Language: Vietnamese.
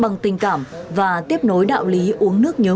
bằng trách nhiệm bằng tình cảm và tiếp nối đạo lý uống nước nhớ nguồn